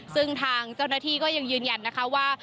ซึ่งทางเจ้าหน้าที่ก็ยังยืนยันนะคะว่า